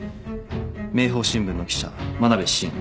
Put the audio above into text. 明報新聞の記者真鍋伸３８歳。